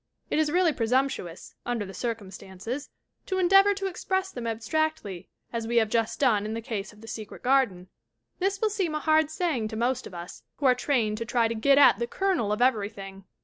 It is really presumptuous, under the circum stances, to endeavor to express them abstractly as we have just done in the case of The Secret Garden. This will seem a hard saying to most of us, who are trained to try to get at the kernel of everything.